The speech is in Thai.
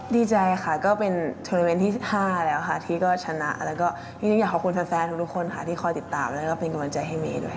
ดีใจค่ะเป็นทวนิเมนที่๑๕แล้วที่ก็ชนะและอยากขอบคุณแสดงทุกคนที่คอยติดตามและเป็นกำจัยให้เมด้วย